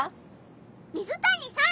水谷さん